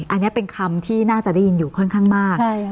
อันนี้เป็นคำที่น่าจะได้ยินอยู่ค่อนข้างมาก